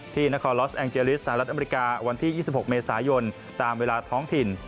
นครลอสแองเจลิสหรัฐอเมริกาวันที่๒๖เมษายนตามเวลาท้องถิ่น